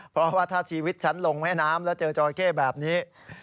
เพราะว่าถ้าชีวิตฉันลงแม่น้ำแล้วเจอจราเข้แบบนี้